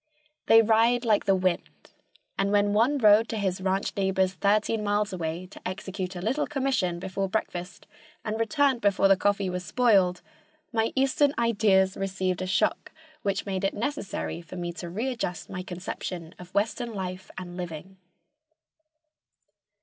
They ride like the wind, and when one rode to his ranch neighbor's thirteen miles away to execute a little commission before breakfast and returned before the coffee was spoiled, my eastern ideas received a shock which made it necessary for me to readjust my conception of western life and living.